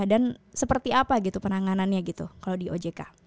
dan seperti apa gitu penanganannya gitu kalau di ojk